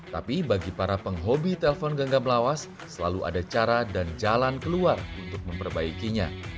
tapi bagi para penghobi telpon genggam lawas selalu ada cara dan jalan keluar untuk memperbaikinya